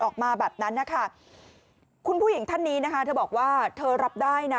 คุณผู้หญิงท่านนี้นะคะเธอบอกว่าเธอรับได้นะ